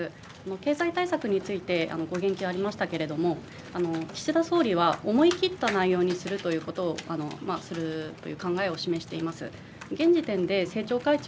経済対策についてご言及ありましたけれども、岸田総理は、思い切った内容にするという考えを示しています。